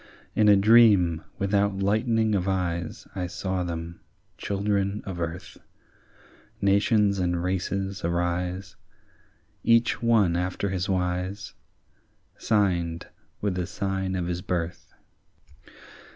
In a dream without lightening of eyes I saw them, children of earth, Nations and races arise, Each one after his wise, Signed with the sign of his birth.